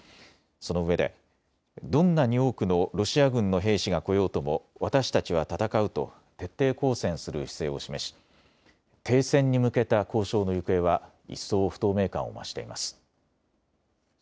そのうえでどんなに多くのロシア軍の兵士が来ようとも私たちは戦うと徹底抗戦する姿勢を示し停戦に向けた交渉の行方は一層、不透明感を増しています。